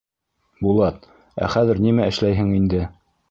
— Булат, ә хәҙер нимә эшләйһең инде?